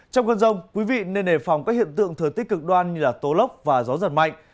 trong cơn rông quý vị nên đề phòng các hiện tượng thừa tích cực đoan như tố lốc và gió giật mạnh